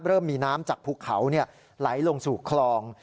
เริ่มมีน้ำจากภูเขาไหลลงสู่คลอง